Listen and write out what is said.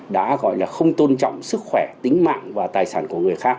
đã gọi là không tôn trọng sức khỏe tính mạng và tài sản của người khác